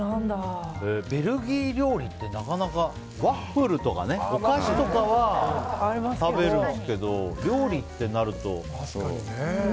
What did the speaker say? ベルギー料理ってなかなかワッフルとかね、お菓子とかは食べるんですけど料理ってなるとね。